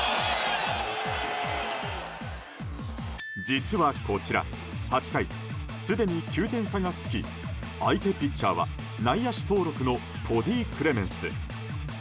実はこちら、８回すでに９点差が付き相手ピッチャーは内野手登録のコディ・クレメンス。